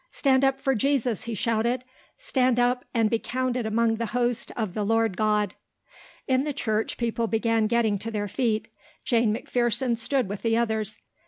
"Stand up for Jesus," he shouted; "stand up and be counted among the host of the Lord God." In the church people began getting to their feet. Jane McPherson stood with the others.